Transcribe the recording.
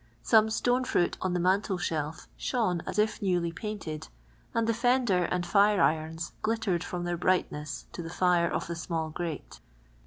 Some stone fruit on tlie mnntel thelf shone ns if newly pftint(?d, and the fender \ and firi' irons glittered In.ni their brightness to the fire of the smnll prate.